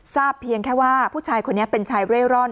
เพียงแค่ว่าผู้ชายคนนี้เป็นชายเร่ร่อน